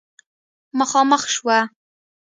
مخامخ شوه